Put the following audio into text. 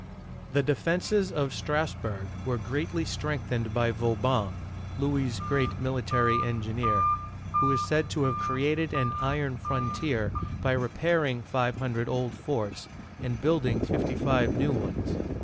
The defenses of Strassburg were greatly strengthened by Vauban (vo baN'), — Louis's great military engineer, — who is said to have created an iron frontier " by repair ing. five hundred old forts and building fifty five new ones.